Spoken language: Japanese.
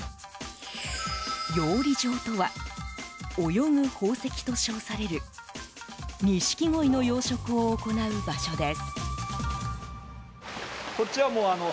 養鯉場とは泳ぐ宝石と称されるニシキゴイの養殖を行う場所です。